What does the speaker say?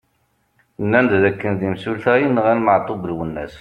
Nnan-d d akken d imsulta i yenɣan Maɛtub Lwennas.